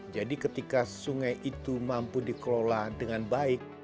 jadi ketika sungai itu mampu dikelola dengan baik